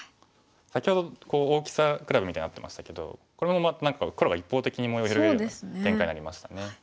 先ほど大きさ比べみたいになってましたけどこれ何か黒が一方的に模様を広げるような展開になりましたね。